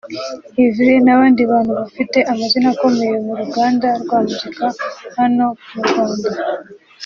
Yverry n'abandi bantu bafite amazina akomeye mu ruganda rwa muzika hano mu Rwanda